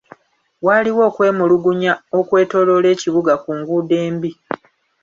Waaliwo okwemulugunya okwetooloola ekibuga ku nguudo embi.